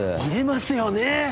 入れますよね。